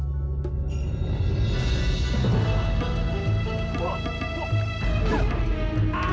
sampai jumpa di video selanjutnya